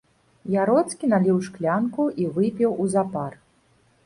Яроцкі наліў шклянку і выпіў узапар.